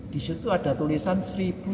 di situ ada tulisan seribu